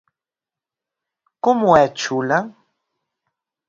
Como é Chula?